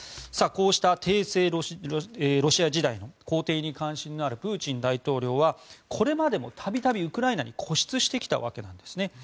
こうした帝政ロシア時代の皇帝に関心のあるプーチン大統領はこれまでも度々、ウクライナに固執してきたわけです。